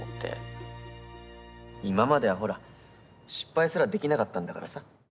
今まではほら失敗すらできなかったんだからさ。